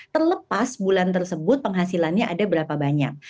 terlepas bulan tersebut penghasilannya ada berapa banyak